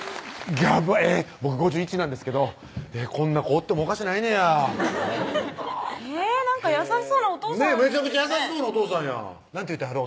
えっ僕５１なんですけどこんな子おってもおかしないねやえぇなんか優ししそうなお父さんめちゃくちゃ優しそうなお父さんやん何て言うてはる？